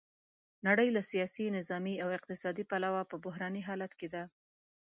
نړۍ له سیاسي، نظامي او اقتصادي پلوه په بحراني حالت کې ده.